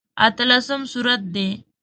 اتلسم سورت دی.